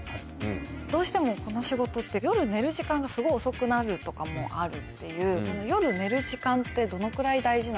どうしてもこの仕事って夜寝る時間がすごい遅くなるとかもあるっていう。